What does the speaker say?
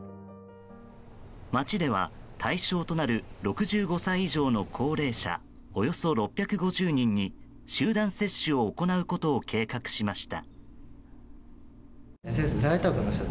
町では対象となる６５歳以上の高齢者およそ６５０人に集団接種を行うことを計画しました。